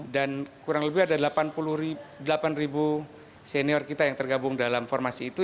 dan kurang lebih ada delapan puluh delapan senior kita yang tergabung dalam formasi itu